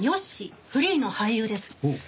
フリーの俳優です。